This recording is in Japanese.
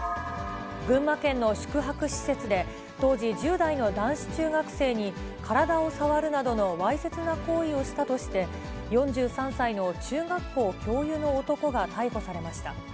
群馬県の宿泊施設で、当時１０代の男子中学生に体を触るなどのわいせつな行為をしたとして、４３歳の中学校教諭の男が逮捕されました。